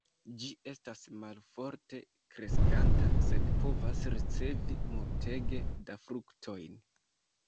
Ĝi estas malforte kreskanta, sed povas ricevi multege da fruktojn.